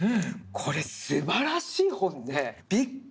これすばらしい本でびっくりした！